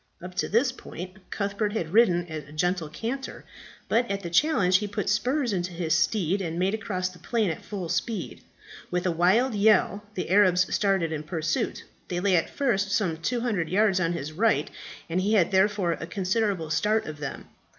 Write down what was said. Up to this point Cuthbert had ridden at a gentle canter; but at the challenge he put spurs into his steed and made across the plain at full speed. With a wild yell the Arabs started in pursuit. They lay at first some 200 yards on his right, and he had therefore a considerable start of them.